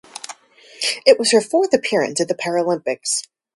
It was her fourth appearance at the Paralympics.